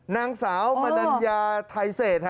นางสาวมดัญญาไทยเศสครับ